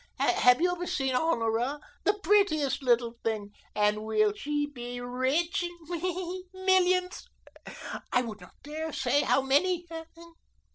Have you ever seen Honora? The prettiest little thing, and will she be rich? Millions, I would not dare say how many.